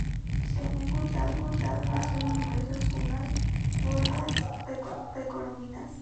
Se han encontrado en la zona numerosas urnas mortuorias precolombinas.